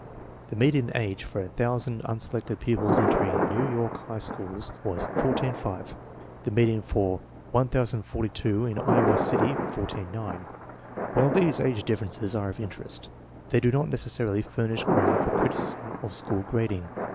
The median age for a thousand unselected pupils entering New York High Schools was 14 5; the median for 1042 in Iowa City, 14 9. While these age differences are of interest, they do not necessarily furnish ground for criticism of school grading.